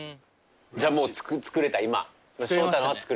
じゃあもう作れた今。